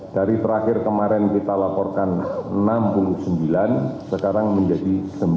dari terakhir kemarin kita laporkan enam puluh sembilan sekarang menjadi sembilan puluh